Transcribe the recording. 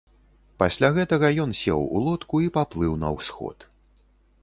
Пасля гэтага ён сеў у лодку і паплыў на ўсход.